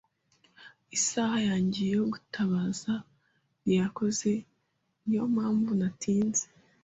Isaha yanjye yo gutabaza ntiyakoze. Niyo mpamvu natinze.